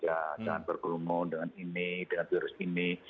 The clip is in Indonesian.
jangan bergumul dengan ini dengan jurus ini